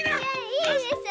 いいでしょ！